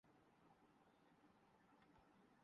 vista پہلا operating system ہے جو مکمل طور پر بٹ کو سپورٹ کرتا ہے